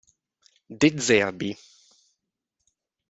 De Zerbi